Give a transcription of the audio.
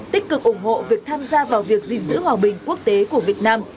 tích cực ủng hộ việc tham gia vào việc gìn giữ hòa bình quốc tế của việt nam